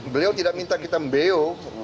beliau tidak minta kita membeo